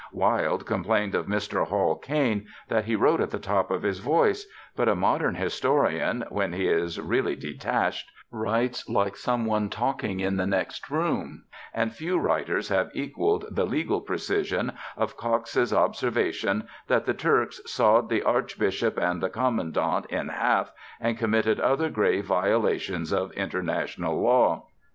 Wilde complained of Mr. Hall Caine that he wrote at the top of his voice; but a modern historian, when he is really detached, writes like some one talking in the next room, and few writers have equaled the legal precision of Coxe's observation that the Turks "sawed the Archbishop and the Commandant in half, and committed other grave violations of international law."